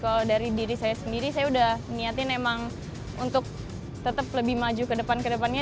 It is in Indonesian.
kalau dari diri saya sendiri saya udah niatin emang untuk tetap lebih maju ke depan ke depannya